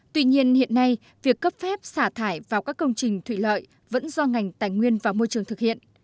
tuy nhiên hiện nay việc cấp phép xả thải vào các công trình thủy lợi vẫn do ngành tài nguyên và môi trường thực hiện